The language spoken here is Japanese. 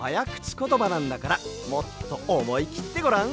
ことばなんだからもっとおもいきってごらん。